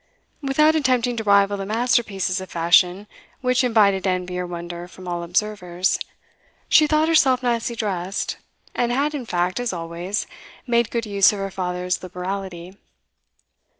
Without attempting to rival the masterpieces of fashion which invited envy or wonder from all observers, she thought herself nicely dressed, and had in fact, as always, made good use of her father's liberality.